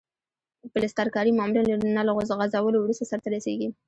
پلسترکاري معمولاً له نل غځولو وروسته سرته رسیږي.